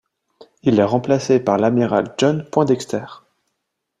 Il est remplacé par l'amiral John Poindexter.